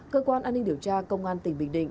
cơ quan an ninh điều tra công an tỉnh bình định